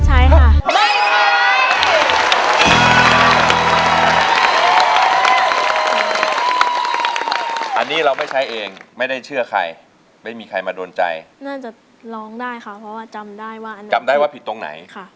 ใช่ค่ะไม่ใช่เองไม่ได้เชื่อใครไม่มีใครมาโดนใจค่ะ